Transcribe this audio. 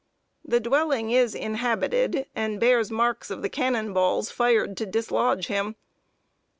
The dwelling is inhabited, and bears marks of the cannon balls fired to dislodge him.